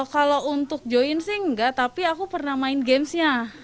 kalau untuk join sih enggak tapi aku pernah main games nya